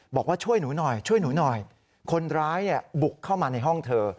บอกว่าช่วยหนูหน่อยช่วยหนูหน่อยคนร้ายบุกเข้ามาในห้องเธอ